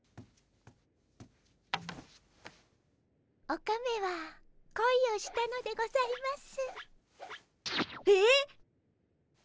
オカメはこいをしたのでございます。